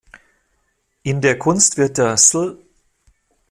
In der Kunst wird der sl.